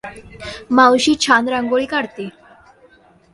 मावशी छान रांगोळी काढते.